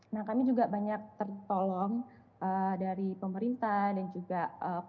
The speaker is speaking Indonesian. nah kami juga banyak tertolong dari pemerintah dan juga pemerintah